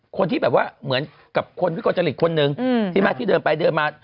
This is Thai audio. คนที่แบบว่าเหมือนกับคนวิกลจริตคนหนึ่งใช่ไหมที่เดินไปเดินมา